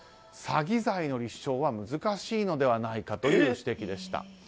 詐欺罪の立証は難しいのではないかというご指摘でした。